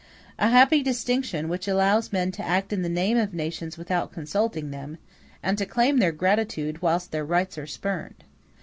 A happy distinction, which allows men to act in the name of nations without consulting them, and to claim their gratitude whilst their rights are spurned.